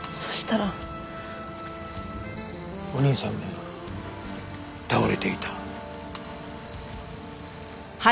お兄さんが倒れていた。